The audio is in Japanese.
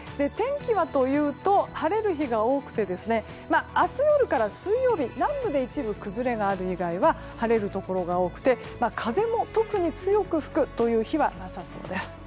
天気はというと晴れる日が多くて明日夜から水曜日南部で一部崩れがある以外は晴れるところが多くて、風も特に強く吹く日はなさそうです。